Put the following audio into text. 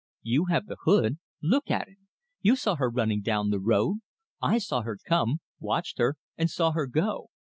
"You have the hood look at it! You saw her running down the road; I saw her come, watched her, and saw her go.